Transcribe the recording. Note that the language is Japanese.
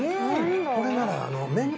これなら。